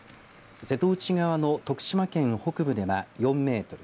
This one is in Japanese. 瀬戸内側の徳島県北部では４メートル